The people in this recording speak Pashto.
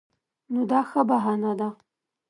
نو دا ښه بهانه ده.